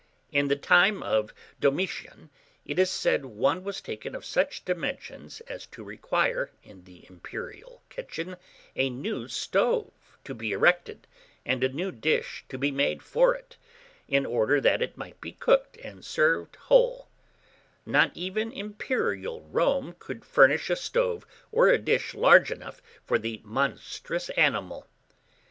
In the time of Domitian, it is said one was taken of such dimensions as to require, in the imperial kitchen, a new stove to be erected, and a new dish to be made for it, in order that it might be cooked and served whole: not even imperial Rome could furnish a stove or a dish large enough for the monstrous animal.